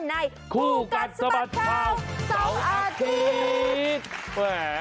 ในคู่กัดสมัครข้าว๒อาทิตย์